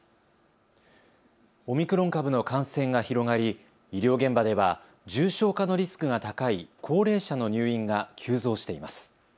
オミクロン株の感染が広がり医療現場では重症化のリスクが高い高齢者の入院が急増しています。